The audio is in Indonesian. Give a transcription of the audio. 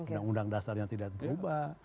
undang undang dasarnya tidak berubah